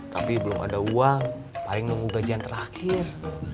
tapi belum ada uang paling nunggu gajian terakhir